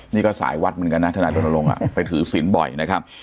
นี่ก็สายวัดเหมือนกันนะทนายรณรงค์ไปถือศิลป์บ่อยนะครับ